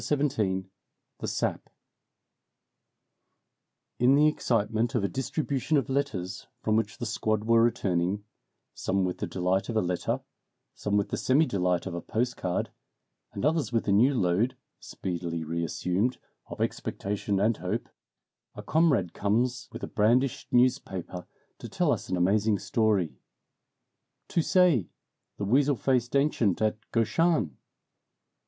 XVII In the Sap IN the excitement of a distribution of letters from which the squad were returning some with the delight of a letter, some with the semi delight of a postcard, and others with a new load (speedily reassumed) of expectation and hope a comrade comes with a brandished newspaper to tell us an amazing story "Tu sais, the weasel faced ancient at Gauchin?"